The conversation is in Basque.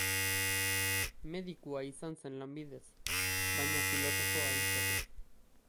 Medikua izan zen lanbidez, baina filosofoa izatez.